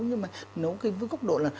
nhưng mà nấu cái với góc độ là